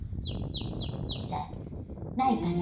じゃないかな。